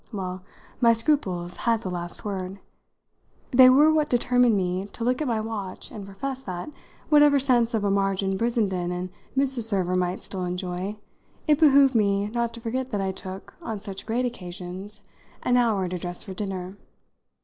Well, my scruples had the last word they were what determined me to look at my watch and profess that, whatever sense of a margin Brissenden and Mrs. Server might still enjoy, it behoved me not to forget that I took, on such great occasions, an hour to dress for dinner.